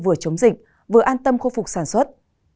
vừa chống dịch vừa an tâm khôi phục sản xuất